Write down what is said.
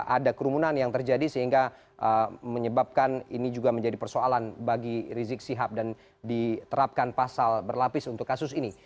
ada kerumunan yang terjadi sehingga menyebabkan ini juga menjadi persoalan bagi rizik sihab dan diterapkan pasal berlapis untuk kasus ini